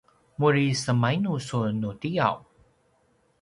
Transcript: muri semainu sun nu tiyaw?